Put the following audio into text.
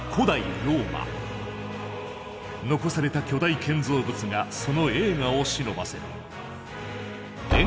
残された巨大建造物がその栄華をしのばせる。